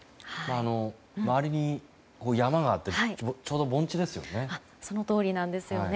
周りに山があってちょうど盆地ですよね。